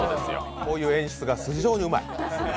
こういう演出が非常にうまい。